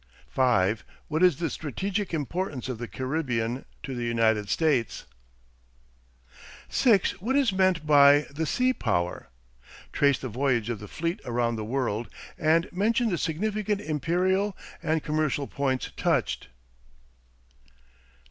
5. What is the strategic importance of the Caribbean to the United States? 6. What is meant by the sea power? Trace the voyage of the fleet around the world and mention the significant imperial and commercial points touched.